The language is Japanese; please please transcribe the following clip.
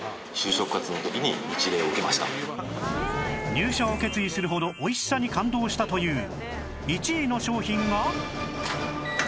入社を決意するほど美味しさに感動したという１位の商品が